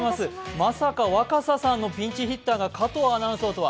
まさか若狭さんのピンチヒッターが加藤アナウンサーとは。